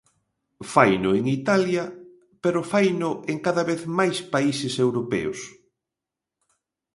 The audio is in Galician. Faino en Italia, pero faino en cada vez máis países europeos.